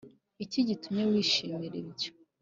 iki gitumye wishimira ibyo